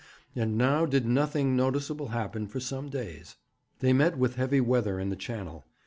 And now did nothing noticeable happen for some days. They met with heavy weather in the Channel.